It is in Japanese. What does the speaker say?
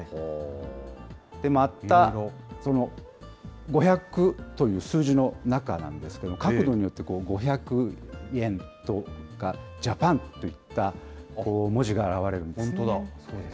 また、５００という数字の中なんですけど、角度によって５００ＹＥＮとか、ＪＡＰＡＮといった文字が現れる本当だ。